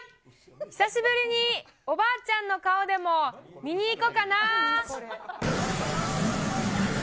久しぶりにおばあちゃんの顔でも見に行こかな。